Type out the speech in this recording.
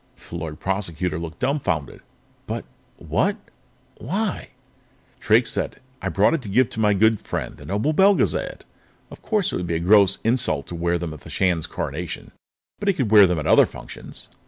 The Lord Prosecutor looked dumbfounded. "But what why " Drake looked sad. "I brought it to give to my good friend, the Noble Belgezad. Of course it would be a gross insult to wear them at the Shan's Coronation, but he could wear them at other functions.